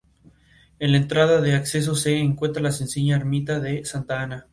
En la entrada de acceso se encuentra la sencilla ermita de Santa Ana.